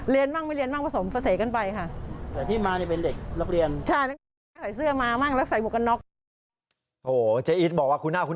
เรียนบ้างไม่เรียนบ้างผสมเตะเทิดกันไปค่ะ